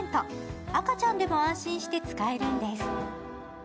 赤ちゃんでも安心して使えるんです。